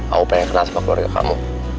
aku pengen keras sama keluarga kamu